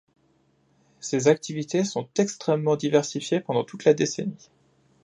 Ses activités sont extrêmement diversifiées pendant toute la décennie.